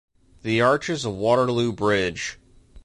The arches of Waterloo Bridge.